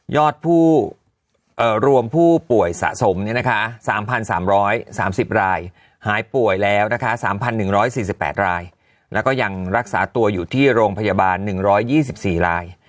รวมผู้ป่วยสะสม๓๓๓๐รายหายป่วยแล้วนะคะ๓๑๔๘รายแล้วก็ยังรักษาตัวอยู่ที่โรงพยาบาล๑๒๔ราย